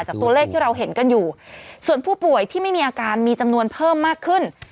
ตัวเลขที่เราเห็นกันอยู่ส่วนผู้ป่วยที่ไม่มีอาการมีจำนวนเพิ่มมากขึ้น